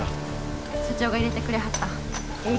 社長が入れてくれはったええ